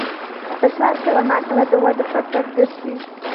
فشار کله ناکله د ودې فرصت ګرځي.